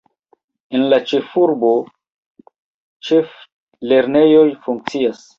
En la ĉefurbo ĉeflernejo funkcias.